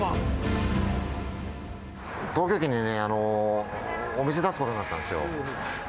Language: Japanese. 東京駅にね、お店出すことになったんですよ。